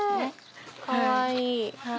かわいい。